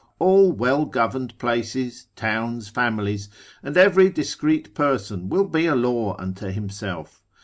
All well governed places, towns, families, and every discreet person will be a law unto himself.